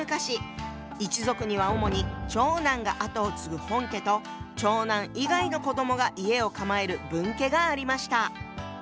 一族には主に長男が跡を継ぐ「本家」と長男以外の子どもが家を構える「分家」がありました。